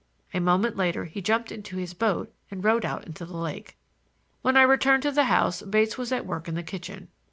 A moment later he jumped into his boat and rowed out into the lake. When I returned to the house Bates was at work in the kitchen.